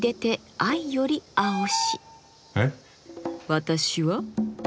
私は？